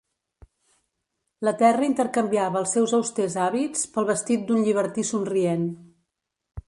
La terra intercanviava els seus austers hàbits pel vestit d'un llibertí somrient.